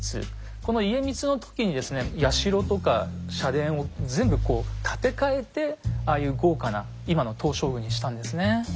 この家光の時にですね社とか社殿を全部こう建て替えてああいう豪華な今の東照宮にしたんですね。